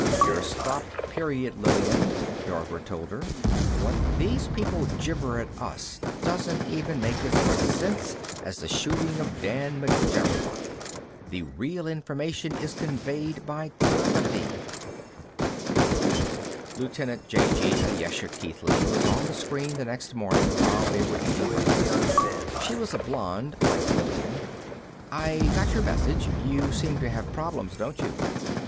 "You're stopped, period, Lillian," Dorver told her. "What these people gibber at us doesn't even make as much sense as the Shooting of Dan McJabberwock. The real information is conveyed by telepathy." Lieutenant j.g. Ayesha Keithley was on the screen the next morning while they were eating breakfast. She was a blonde, like Lillian. "I got your message; you seem to have problems, don't you?"